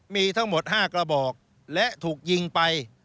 มีทั้งหมด๕กระบอกและถูกยิงไป